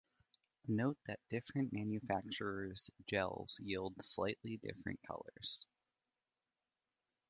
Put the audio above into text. Note that different manufacturers' gels yield slightly different colors.